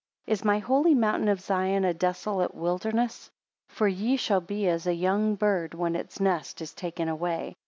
4 Is my holy mountain of Zion, a desolate wilderness? For ye shall be as a young bird when its nest is taken away.